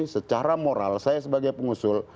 secara moral saya sebagai pengusul